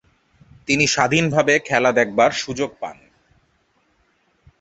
তিনি স্বাধীনভাবে খেলা দেখাবার সুযোগ পান।